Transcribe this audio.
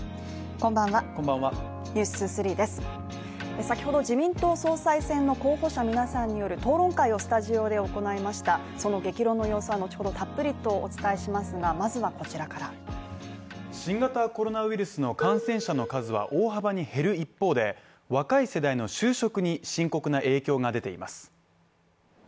こんばんは先ほど自民党総裁選の候補者皆さんによる討論会をスタジオで行いましたその激論の様子は後ほどたっぷりとお伝えしますがまずはこちらから新型コロナウイルスの感染者の数は大幅に減る一方で若い世代の就職に深刻な影響が出ています